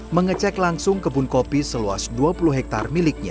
mengecek langsung kebun kopi seluas dua puluh hektare miliknya